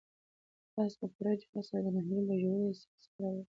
آس په پوره جرئت سره د ناهیلۍ له ژورې څاه څخه راووت.